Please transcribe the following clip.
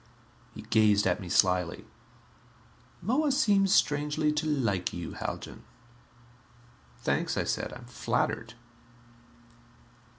He gazed at me slyly. "Moa seems strangely to like you, Haljan." "Thanks," I said. "I'm flattered."